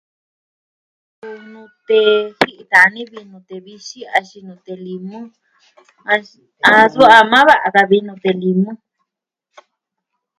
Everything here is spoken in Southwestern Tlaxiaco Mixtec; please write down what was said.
Nute ji'i dani vi nute vixin axin nute limu, as... a suu... a maa va'a daa vi nute limu.